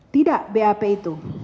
tidak bap itu